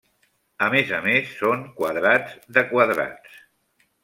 A més a més, són quadrats de quadrats.